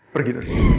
pergi dari sini